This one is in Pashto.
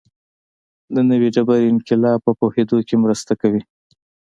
د نوې ډبرې انقلاب په پوهېدو کې مرسته کوي